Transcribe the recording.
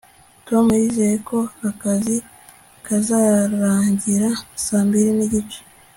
tom yizeye ko akazi kazarangira saa mbiri n'igice